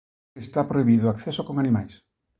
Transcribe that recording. Está prohibido o acceso con animais.